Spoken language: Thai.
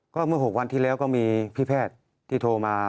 ก็เมื่อ๖วันที่แล้วก็มีพี่แพทย์ที่โทรมา